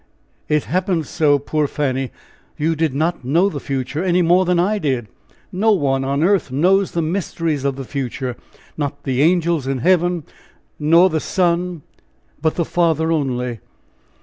It happened so, poor Fanny! You did not know the future, any more than I did no one on earth knows the mysteries of the future, 'not the angels in heaven, nor the Son, but the Father only.'"